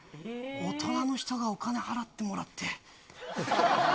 大人の人がお金払ってもらって。